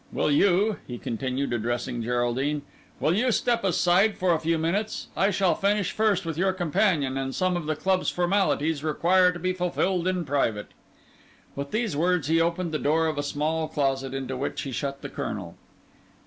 Will you," he continued, addressing Geraldine, "will you step aside for a few minutes? I shall finish first with your companion, and some of the club's formalities require to be fulfilled in private." With these words he opened the door of a small closet, into which he shut the Colonel.